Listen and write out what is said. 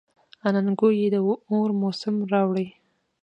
اننګو یې د اور موسم راوړی.